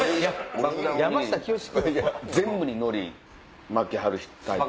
全部にのり巻きはるタイプ？